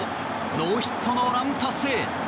ノーヒットノーラン達成！